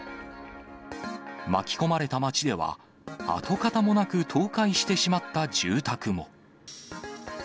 巻き込まれた街では、跡形もなく倒壊してしまった住宅も。